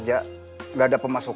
salah beberapa saat